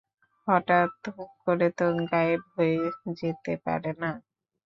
হঠাত করে তো গায়েব হয়ে যেতে পারে না!